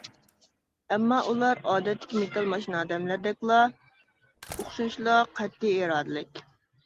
ئەمما ئۇلار ئادەتتىكى مېتال ماشىنا ئادەملەردەكلا ئوخشاشلا قەتئىي ئىرادىلىك.